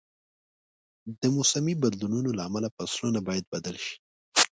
د موسمي بدلونونو له امله فصلونه باید بدل شي.